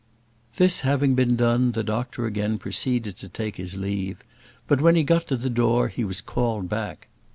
This having been done, the doctor again proceeded to take his leave; but when he got to the door he was called back.